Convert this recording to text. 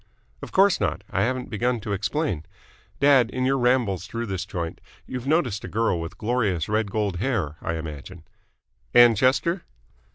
"Of course not. I haven't begun to explain. Dad, in your rambles through this joint you've noticed a girl with glorious red gold hair, I imagine?" "Ann Chester?"